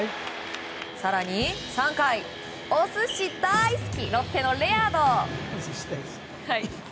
更に３回、お寿司大好きロッテのレアード。